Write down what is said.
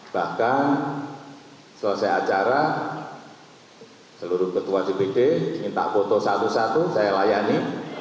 bahkan selesai acara seluruh ketua dpd minta foto satu satu saya layani